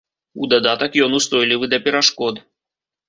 У дадатак ён устойлівы да перашкод.